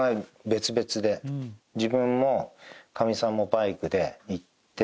自分もかみさんもバイクで行って。